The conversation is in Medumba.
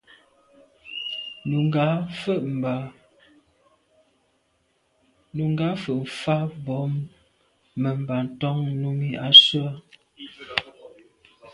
Nùgà fə̀ mfá bɔ̀ mə̀mbâ ntɔ́n Nùmí á sʉ́ á’.